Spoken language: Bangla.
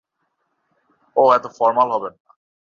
ওহ, এত ফর্মাল হবেন না।